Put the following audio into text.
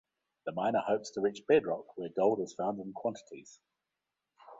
The miner hopes to reach bed-rock, where gold is found in quantities.